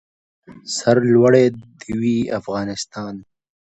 سر لوړی د وي افغانستان.